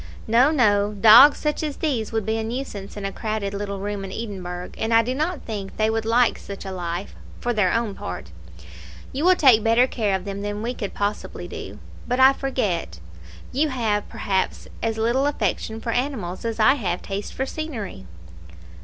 "No, no; dogs such as these would be a nuisance in a crowded little room in Edinburgh, and I do not think they would like such a life, for their own part. You will take better care of them than we could possibly do. But I forget: you have, perhaps, as little affection for animals as I have taste for scenery."